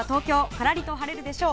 からりと晴れるでしょう。